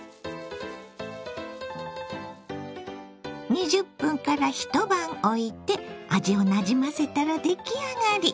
２０分一晩おいて味をなじませたら出来上がり。